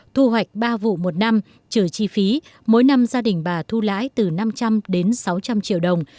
thu hoạch ba vụ một năm trừ chi phí mỗi năm gia đình bà thu lãi từ năm trăm linh đến sáu trăm linh triệu đồng